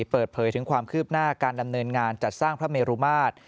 เปิดเผยถึงความคืบหน้าการดำเนินงานจัดสร้างพระเมรุมาตร